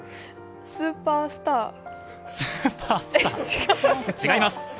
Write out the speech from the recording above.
スーパースター？違います！